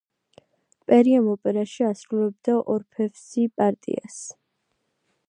პერი ამ ოპერაში ასრულებდა ორფევსი პარტიას.